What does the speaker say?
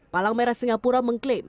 palang merah singapura mengklaim